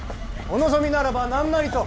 お望みならば何なりと！